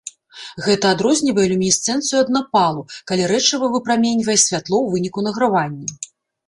Гэта адрознівае люмінесцэнцыю ад напалу, калі рэчыва выпраменьвае святло ў выніку награвання.